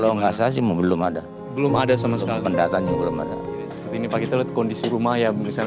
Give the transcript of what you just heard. nah enggak saya sih belum ada belum ada sama sekali pendatangnya belum ada seperti ini pak kita lihat kondisi rumah ya misalnya